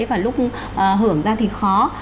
và lúc hưởng ra thì khó